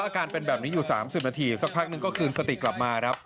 อาการเป็นแบบนี้อยู่๓๐นาทีสักพักนึงก็คืนสติกลับมาครับ